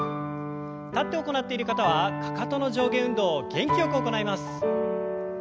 立って行っている方はかかとの上下運動を元気よく行います。